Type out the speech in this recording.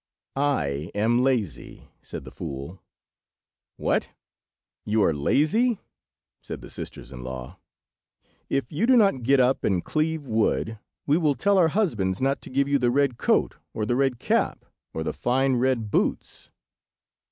"I am lazy," said the fool. "What! you are lazy!" said the sisters in law. "If you do not get up and cleave wood, we will tell our husbands not to give you the red coat, or the red cap, or the fine red boots."